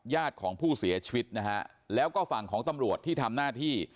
ญาติของผู้เสียชีวิตนะฮะแล้วก็ฝั่งของตำรวจที่ทำหน้าที่